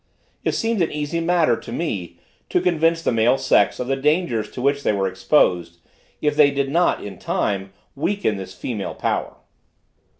It seemed an easy matter, to me, to convince the male sex of the dangers to which they were exposed, if they did not, in time, weaken this female power.